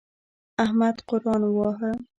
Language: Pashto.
احمد قرآن وواهه.